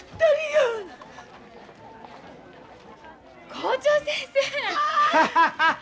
校長先生！